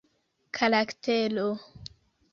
karaktero